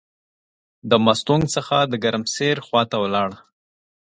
د مستونګ څخه د ګرمسیر خواته ولاړ.